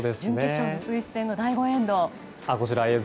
準決勝のスイス戦の第５エンド。